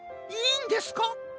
いいんですか？